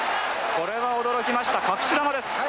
これは驚きました隠し球です。